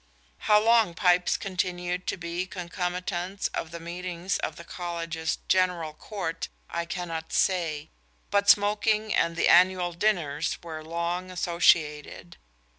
How long pipes continued to be concomitants of the meetings of the College's General Court I cannot say; but smoking and the annual dinners were long associated.